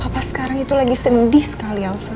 papa sekarang itu lagi sedih sekali alsel